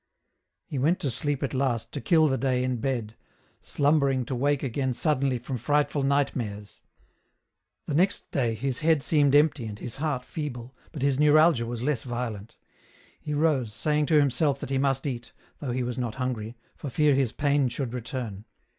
He went to sleep at last to kill the day in bed ; slumber ng to wake again suddenly from frightful nightmares. The next day his head seemed empty and his heart feeble, but his neuralgia was less violent. He rose, saying to him self that he must eat, though he was not hungry, for fear his pain should return.